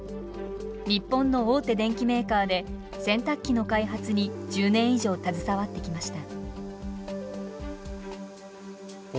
日本の大手電機メーカーで洗濯機の開発に１０年以上携わってきました。